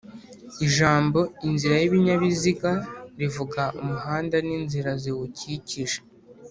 Ijambo "inzira y'ibinyabiziga", rivuga umuhanda n'inzira ziwukikije